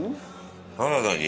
サラダに。